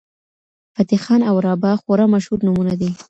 فتح خان او رابعه خورا مشهور نومونه دي.